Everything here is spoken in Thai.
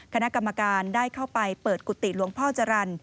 คณะกรรมการได้เข้าไปเปิดกุฏิหลวงพ่อจรรย์